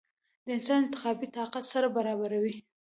د انسان د انتخابي طاقت سره برابروې ؟